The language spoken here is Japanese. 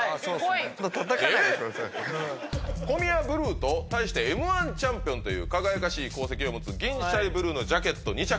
コミヤブルーと対してＭ−１チャンピオンという輝かしい功績を持つ銀シャリブルーのジャケット２着